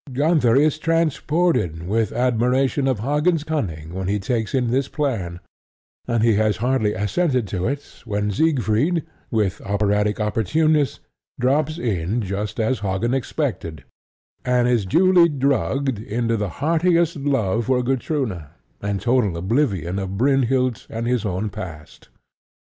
Gunther is transported with admiration of Hagen's cunning when he takes in this plan; and he has hardly assented to it when Siegfried, with operatic opportuneness, drops in just as Hagen expected, and is duly drugged into the heartiest love for Gutrune and total oblivion of Brynhild and his own past.